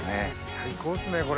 最高っすねこれ。